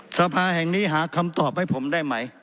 สภาแห่งนี้หาคำตอบให้ผมได้ไหม